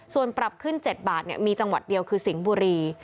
ส่วนปรับขึ้น๗บาทมีจังหวัดเดียวคือสิงห์บุรี